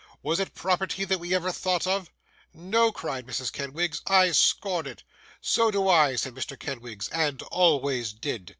'Was it property that we ever thought of?' 'No,' cried Mrs. Kenwigs, 'I scorn it.' 'So do I,' said Mr. Kenwigs, 'and always did.